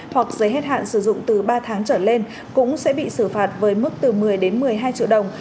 hoặc giấy hết hạn sử dụng từ ba tháng trở lên cũng sẽ bị xử phạt với mức từ một mươi đến một mươi hai triệu đồng